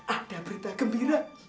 ada berita gembira